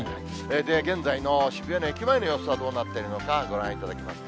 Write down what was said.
現在の渋谷の駅前の様子はどうなっているのか、ご覧いただきます。